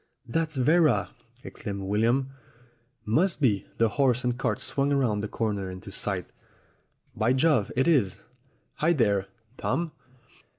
'That's Vera!" exclaimed William. "Must be." The horse and cart swung round the corner into sight. "By Jove, it is! Hi, there! Tom!"